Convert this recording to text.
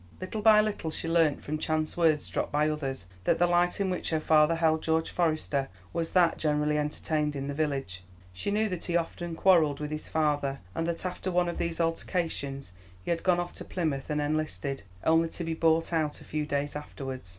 Little by little she learnt, from chance words dropped by others, that the light in which her father held George Forester was that generally entertained in the village. She knew that he often quarrelled with his father, and that after one of these altercations he had gone off to Plymouth and enlisted, only to be bought out a few days afterwards.